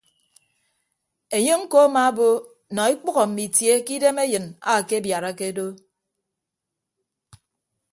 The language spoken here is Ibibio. Enye ñko amaabo nọ ekpәho mme itie ke idem enyin akebiarake do.